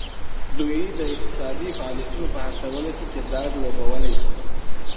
دوی د اقتصادي فعالیتونو په هڅونه کې کردار لوبولی شي